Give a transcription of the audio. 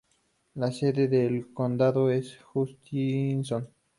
La sede del condado es Hutchinson.